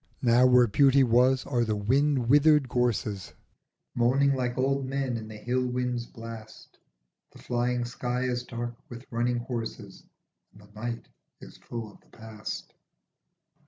Now where Beauty was are the wind withered gorses Moaning like old men in the hill wind's blast, The flying sky is dark with running horses And the night is full of the past.